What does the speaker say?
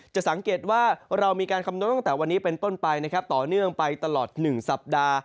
จะสังเกตว่าเรามีการคำนวณตั้งแต่วันนี้เป็นต้นไปนะครับต่อเนื่องไปตลอด๑สัปดาห์